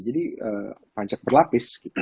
jadi pajak berlapis gitu